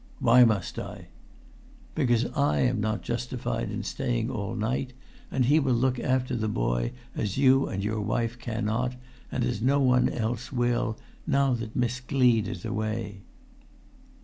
"Why must I?" "Because I am not justified in staying all night; and he will look after the boy as you and your wife cannot, and as no one else will, now that Miss Gleed is away."